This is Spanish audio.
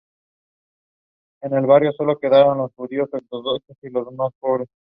En el barrio sólo quedaron los judíos ortodoxos y los más pobres.